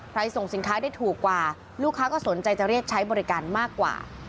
ส่งสินค้าได้ถูกกว่าลูกค้าก็สนใจจะเรียกใช้บริการมากกว่า